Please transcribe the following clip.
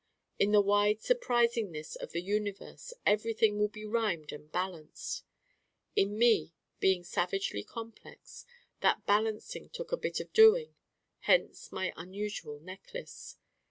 In the wide surprisingness of the universe everything will be rhymed and balanced. In me, being savagely complex, that balancing took a bit of doing: hence my unusual Necklace.